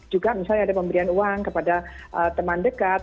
juga misalnya ada pemberian uang kepada teman dekat